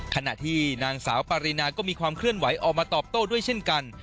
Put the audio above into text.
ขณะที่นางสาวปารีนาก็มีความเคลื่อนไหวออกมาตอบโต้ด้วยเช่นกัน